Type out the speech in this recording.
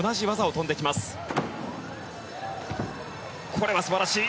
これは素晴らしい！